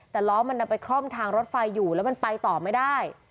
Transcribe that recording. แต่ล้อมันนำไปคล่อมทางรถไฟอยู่แล้วมันไปต่อไม่ได้